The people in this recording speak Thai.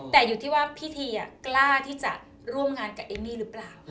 แต่อยู่ที่ว่าพี่ทีกล้าที่จะร่วมงานกับเอมมี่หรือเปล่า